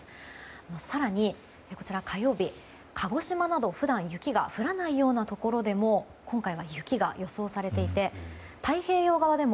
更に火曜日、鹿児島など普段雪が降らないようなところも今回は雪が予想されていて太平洋側でも